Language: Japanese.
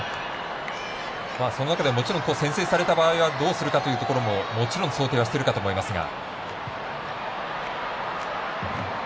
その中で、もちろん先制された場合はどうするかということももちろん想定はしてるかと思いますが。